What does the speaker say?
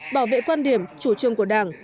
bảo vệ quan điểm chủ trương của đảng